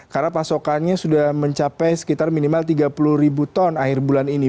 karena pasokannya sudah mencapai sekitar minimal tiga puluh ribu ton akhir bulan ini